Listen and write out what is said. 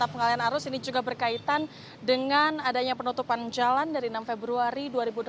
pengalian arus ini juga berkaitan dengan adanya penutupan jalan dari enam februari dua ribu delapan belas